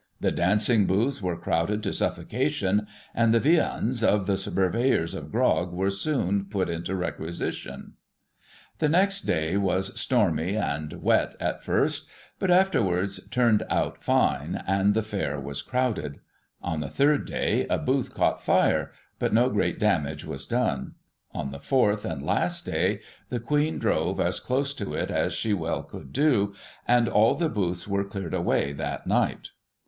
The dancing booths were crowded to suffocation, and the viands of the purveyors of grog were soon put into requisition" The next day was stormy and wet at first, but afterwards turned out fine, and the Fair was crowded. On the third day, a booth caught fire, but no great damage was done. On the fourth, and last day, the Queen drove as close to it as she well could do, and all the booths were cleared away that night.